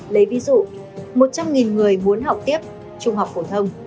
lấy ví dụ một trăm linh người muốn học tiếp trung học phổ thông